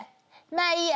まあいいや」